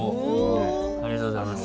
ありがとうございます。